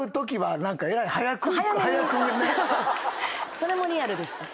それもリアルでした。